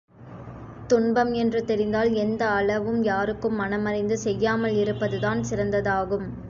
துன்பம் என்று தெரிந்தால் எந்த அளவும் யாருக்கும் மனமறிந்து செய்யாமல் இருப்பதுதான் சிறந்ததாகும்.